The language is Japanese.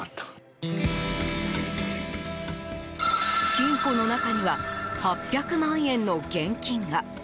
金庫の中には８００万円の現金が。